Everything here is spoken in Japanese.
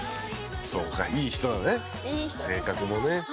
そうかいい人なのね。